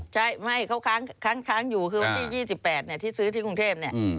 ใช่ไม่เขาค้างอยู่คือวันที่๒๘ที่ซื้อที่กรุงเทพเนี่ย